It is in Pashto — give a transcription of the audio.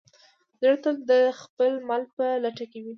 زړه تل د خپل مل په لټه کې وي.